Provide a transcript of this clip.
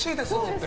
って。